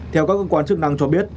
theo các cơ quan chức năng cho biết